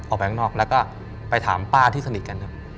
ออกไปข้างนอกแล้วก็ไปถามป้าที่สนิทกันครับ